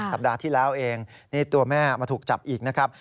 สัปดาห์ที่แล้วเองนี่ตัวแม่มาถูกจับอีกนะครับ